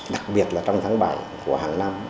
đặc biệt là trong tháng bảy của hàng năm